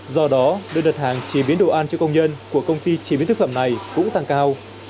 do đó đơn đặt hàng chế biến đồ ăn cho công nhân của công ty chế biến thực phẩm này cũng tăng cao